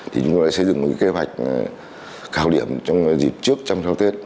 thì chúng tôi đã xây dựng một kế hoạch cao điểm trong dịp trước trong sau tết